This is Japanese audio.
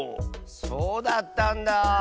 そうだったんだ。